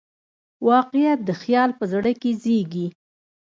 واقعیت د خیال په زړه کې زېږي.